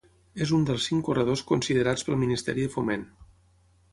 És un dels cinc corredors considerats pel Ministeri de Foment.